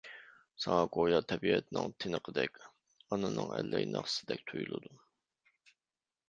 ساڭا گويا تەبىئەتنىڭ تىنىقىدەك، ئانىنىڭ ئەللەي ناخشىسىدەك تۇيۇلىدۇ.